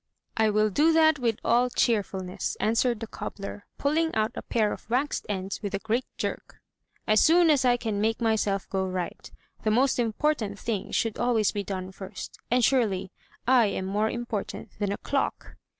'* "I will do that with all cheerfulness/' answered the cobbler, pulling out a pair of waxed ends with a great jerk, "as soon as I can make myself go right. The most important thing should always be done first; and, surely, I am more important than a clock!"